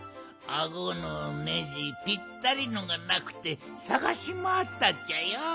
あごのネジぴったりのがなくてさがしまわったっちゃよ。